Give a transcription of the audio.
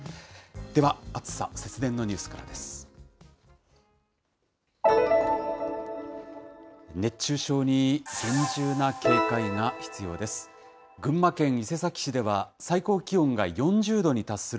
では、暑さ、節電のニュースからです。